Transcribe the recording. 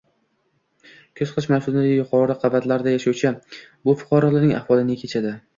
Kuz-qish mavsumida yuqori qavatlarda yashovchi bu fuqarolarning ahvoli ne kechadi?